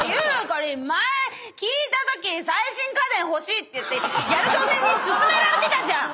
前聞いたとき「最新家電欲しい」って言ってギャル曽根に薦められてたじゃん！